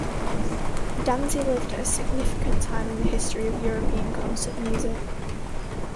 Danzi lived at a significant time in the history of European concert music.